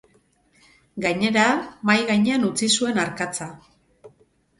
Gainera, mahai gainean utzi zuen arkatza.